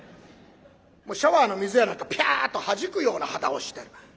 シャワーの水やなんかピャッとはじくような肌をしてる。